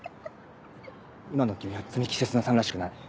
今の君は摘木星砂さんらしくない。